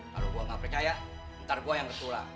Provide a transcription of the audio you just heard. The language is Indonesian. kalo gue gak percaya ntar gue yang ketulah